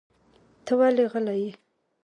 ته ولې غلی یې؟